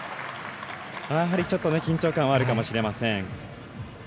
やはりちょっと緊張感はあるかもしれません。